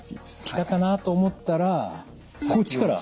きたかなと思ったらこっちから？